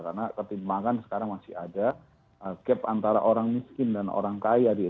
ini artinya bagaimana kemudiannya kita bisa mencapai kategorinya yang lebih besar ya